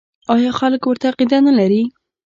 آیا خلک ورته عقیده نلري؟